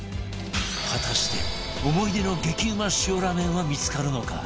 果たして思い出の激うま塩ラーメンは見付かるのか？